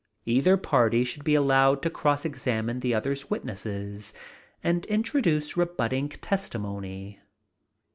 Either party should be allowed to cross examine the other's witnesses and introduce rebutting testimony.